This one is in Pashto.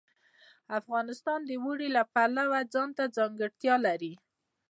افغانستان د اوړي د پلوه ځانته ځانګړتیا لري.